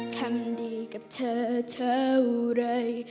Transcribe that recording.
ทำดีกับเธอเท่าไร